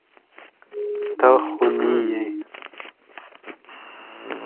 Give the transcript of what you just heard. ته خوني يې.